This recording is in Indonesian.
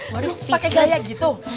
waduh pake kaya gitu